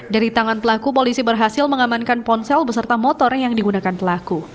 dari tangan pelaku polisi berhasil mengamankan ponsel beserta motor yang digunakan pelaku